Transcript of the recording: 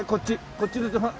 こっちの手ほら。